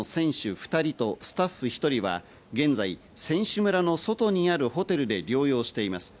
２人とスタッフ１人が現在、選手村の外にあるホテルで療養しています。